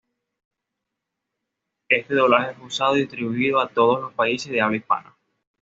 Este doblaje fue usado y distribuido a todos los países de habla hispana.